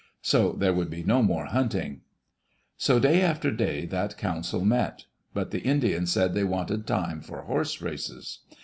So there would be no more hunting. So day after day that council met. But the Indians said they wanted time for horse races.